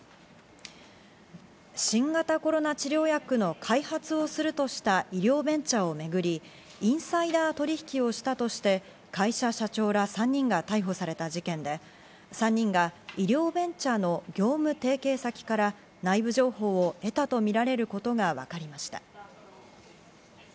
新型コロナ治療薬の開発をするとした医療ベンチャーをめぐり、インサイダー取引をしたとして、会社社長ら３人が逮捕された事件で、３人が医療ベンチャーの業務提携先から内部情報を得たとみられることがわかりました。